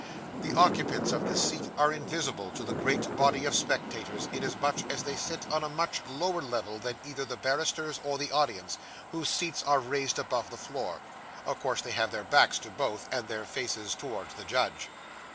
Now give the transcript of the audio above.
The occupants of this seat are invisible to the great body of spectators, inasmuch as they sit on a much lower level than either the barristers or the audience, whose seats are raised above the floor. Of course they have their backs to both, and their faces towards the judge.